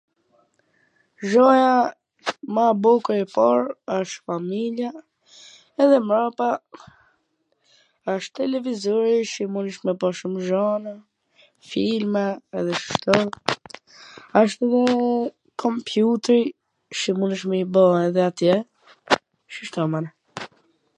Gjaja ma e bukur e par asht familja edhe mrapa asht televizori se munesh me pa shum gjana, filma edhe si kta, asht dhe kompjuteri qw mundesh me i bo edhe atje, shishta mana.